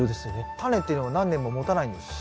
タネっていうのは何年ももたないんですか？